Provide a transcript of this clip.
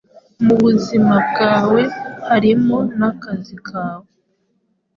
mubuzima bwawe, harimo nakazi kawe